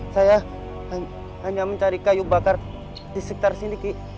saya hanya mencari kayu bakar di sekitar sini ki